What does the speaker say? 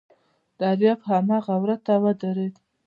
دریاب همدغه وره ته ودرېد.